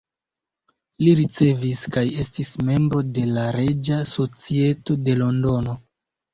Li ricevis kaj estis membro de la Reĝa Societo de Londono.